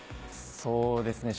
そうですね